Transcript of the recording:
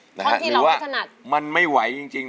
ท่อนที่เราไม่ถนัดหรือว่ามันไม่ไหวจริง